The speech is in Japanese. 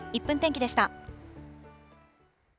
１分天気でした。